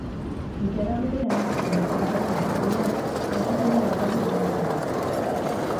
Ilara berean, baina kantxaren bestaldean, lau sarrera bakarrik geratzen dira.